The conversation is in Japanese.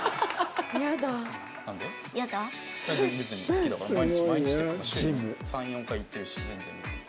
好きだから毎日毎日っていうか週に３４回行ってるし全然別に。